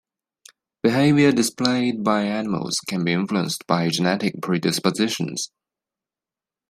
Behaviors displayed by animals can be influenced by genetic predispositions.